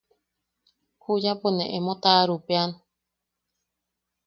Juyapo ne emo taʼarupeʼean.